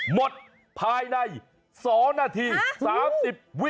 หมดภายใน๒นาที๓๐วิ